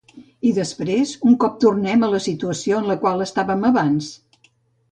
I després, un cop tornem a la situació en la qual estàvem abans?